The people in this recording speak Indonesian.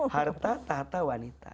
harta tahta wanita